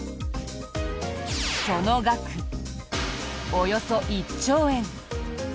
その額、およそ１兆円。